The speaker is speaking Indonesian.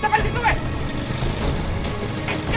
hei sampai di situ weh